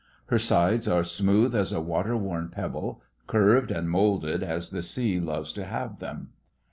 Her sides are smooth as a water worn pebble, curved and moulded as the sea loves to have them.